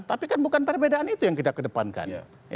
tapi kan bukan perbedaan itu yang kita kedepankan